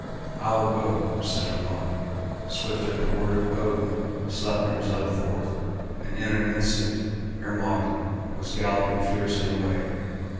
"I will go," said Hermod; swift at the word of Odin Sleipner was led forth, and in an instant Hermod was galloping furiously away.